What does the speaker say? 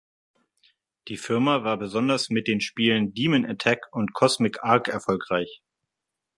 Die Firma war besonders mit den Spielen Demon Attack und Cosmic Ark erfolgreich.